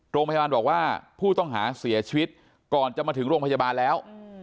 โรงพยาบาลบอกว่าผู้ต้องหาเสียชีวิตก่อนจะมาถึงโรงพยาบาลแล้ว